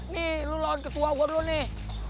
nih lu lawan ketua gue dulu nih